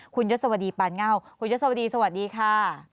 คุณยศวดีปานเง่าคุณยศวดีสวัสดีค่ะ